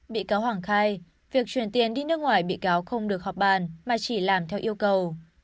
bị cáo hoàng khai việc chuyển tiền đi nước ngoài bị cáo không được họp bàn mà chỉ làm theo yêu cầu